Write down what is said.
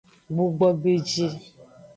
Gbugbogbeji.